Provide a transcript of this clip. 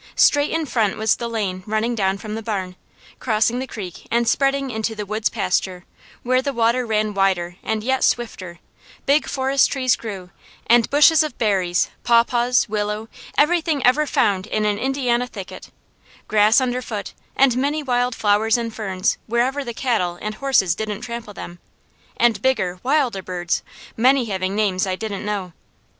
Straight in front was the lane running down from the barn, crossing the creek and spreading into the woods pasture, where the water ran wider and yet swifter, big forest trees grew, and bushes of berries, pawpaws, willow, everything ever found in an Indiana thicket; grass under foot, and many wild flowers and ferns wherever the cattle and horses didn't trample them, and bigger, wilder birds, many having names I didn't know.